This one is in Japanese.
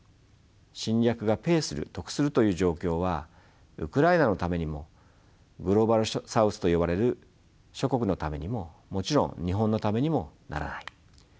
侵略がペイする得するという状況はウクライナのためにもグローバル・サウスといわれる諸国のためにももちろん日本のためにもならない。